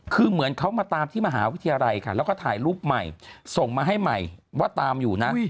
คือเหมือนเขามาตามที่มหาวิทยาลัยค่ะแล้วก็ถ่ายรูปใหม่ส่งมาให้ใหม่ว่าตามอยู่นะ